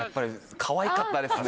かわいかったですね